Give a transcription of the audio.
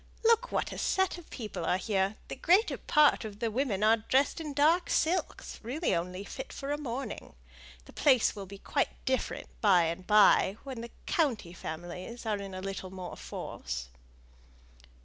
Look what a set of people are here: the greater part of the women are dressed in dark silks, really only fit for a morning. The place will be quite different, by and by, when the county families are in a little more force."